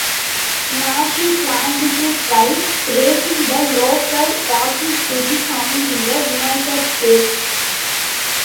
Nash planned to try breaking the local rocksteady sound in the United States.